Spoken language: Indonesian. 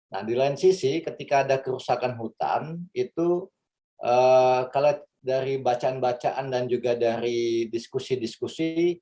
nah di lain sisi ketika ada kerusakan hutan itu kalau dari bacaan bacaan dan juga dari diskusi diskusi